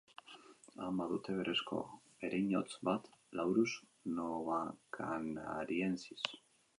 Han badute berezko ereinotz bat, Laurus novocanariensis.